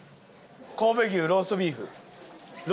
神戸牛ローストビーフ。